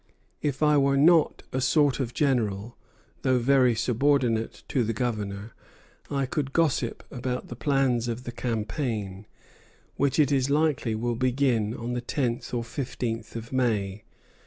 If I were not a sort of general, though very subordinate to the Governor, I could gossip about the plans of the campaign, which it is likely will begin on the tenth or fifteenth of May.